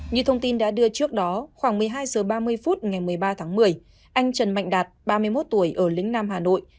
như thông tin đã đưa trước đó khoảng một mươi hai h ba mươi phút ngày một mươi ba tháng một mươi anh trần mạnh đạt ba mươi một tuổi ở lĩnh nam hà nội